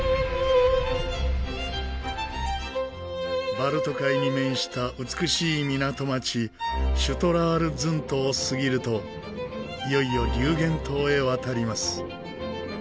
バルト海に面した美しい港町シュトラールズントを過ぎるといよいよリューゲン島へ渡ります。